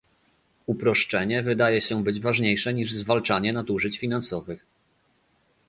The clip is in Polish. Uproszczenie wydaje się być ważniejsze niż zwalczanie nadużyć finansowych